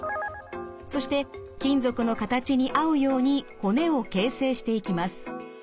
そして金属の形に合うように骨を形成していきます。